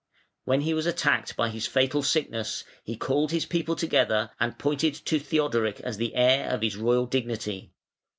When he was attacked by his fatal sickness he called his people together and pointed to Theodoric as the heir of his royal dignity.